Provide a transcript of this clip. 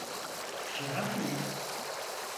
Cevap ne?